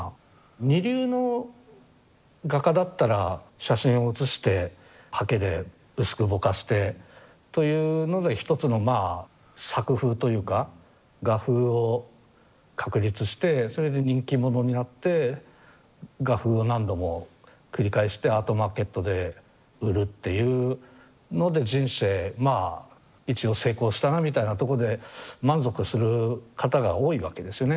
二流の画家だったら写真を写して刷毛で薄くぼかしてというので一つのまあ作風というか画風を確立してそれで人気者になって画風を何度も繰り返してアートマーケットで売るっていうので人生まあ一応成功したなみたいなとこで満足する方が多いわけですね。